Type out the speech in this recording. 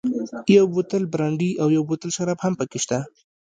یو بوتل برانډي او یو بوتل شراب هم پکې شته.